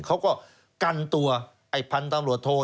เขาก็กันตัวไอ้พันธุ์ตำรวจโท